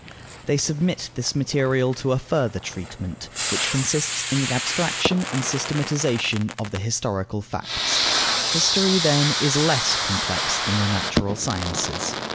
They submit this material to a further treatment, which consists in the abstraction and systematization of the historical facts. History, then, is less complex than the natural sciences.